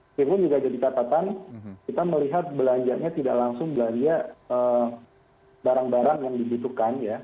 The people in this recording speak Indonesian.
meskipun juga jadi catatan kita melihat belanjanya tidak langsung belanja barang barang yang dibutuhkan ya